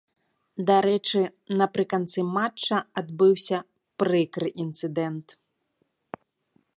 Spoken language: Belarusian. Дарэчы, напрыканцы матча адбыўся прыкры інцыдэнт.